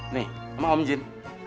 nih sama om jun